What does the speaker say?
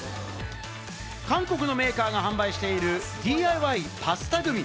韓国のメーカーが販売している、ＤＩＹパスタグミ。